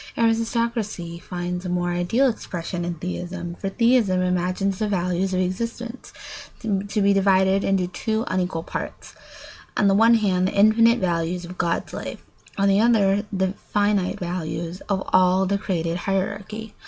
Aristocracy finds a more ideal expression in theism; for theism imagines the values of existence to be divided into two unequal parts: on the one hand the infinite value of God's life, on the other the finite values of all the created hierarchy.